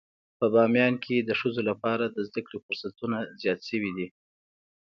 په باميان کې د ښځو لپاره د زده کړې فرصتونه زيات شوي دي.